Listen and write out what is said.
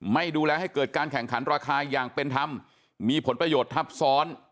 ไม่ดูแลให้เกิดการแข่งขันราคาอย่างเป็นธรรมมีผลประโยชน์ทับซ้อน